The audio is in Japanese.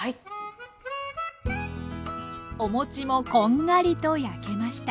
お餅もこんがりと焼けました。